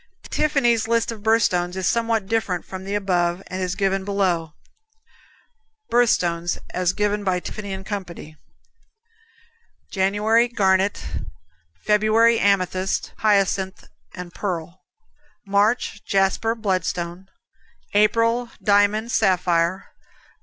Tiffany's list of birth stones is somewhat different from the above and is given below: Birth Stones. (As given by Tiffany & Co.) January Garnet. February Amethyst, hyacinth, pearl. March Jasper, bloodstone. April Diamond, sapphire.